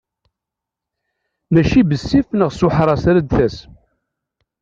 Mačči bessif neɣ s uḥras ara d-tas.